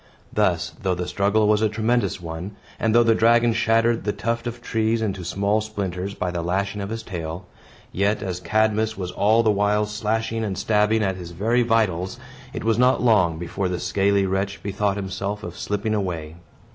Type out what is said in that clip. Thus, though the struggle was a tremendous one, and though the dragon shattered the tuft of trees into small splinters by the lashing of his tail, yet, as Cadmus was all the while slashing and stabbing at his very vitals, it was not long before the scaly wretch bethought himself of slipping away.